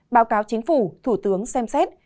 báo cáo chính phủ thủ tướng xem xét